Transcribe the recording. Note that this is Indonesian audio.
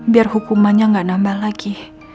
biar hukumannya nggak nambah lagi